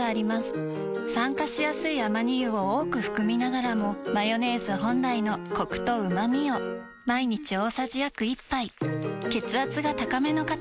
酸化しやすいアマニ油を多く含みながらもマヨネーズ本来のコクとうまみを毎日大さじ約１杯血圧が高めの方に機能性表示食品